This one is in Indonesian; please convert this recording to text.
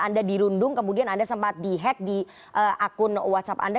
anda dirundung kemudian anda sempat di hack di akun whatsapp anda